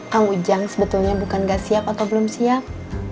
kang ujang sebetulnya bukan gak siap atau belum siap